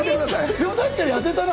でも確かにやめたな。